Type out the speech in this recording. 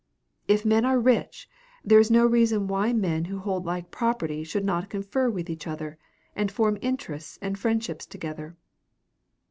If men are rich, there is no reason why men who hold like property should not confer with each other, and form interests and friendships together.